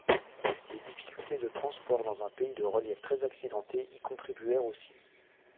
Les difficultés de transport dans un pays de relief très accidenté y contribuèrent aussi.